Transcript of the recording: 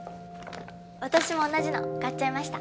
私も同じの買っちゃいました。